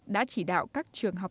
đã chỉ đạo các trường học